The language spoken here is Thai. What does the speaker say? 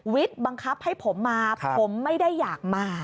บังคับให้ผมมาผมไม่ได้อยากมา